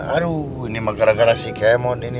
aduh ini mah gara gara si kae mondi